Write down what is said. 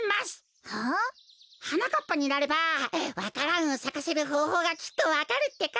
はなかっぱになればわか蘭をさかせるほうほうがきっとわかるってか。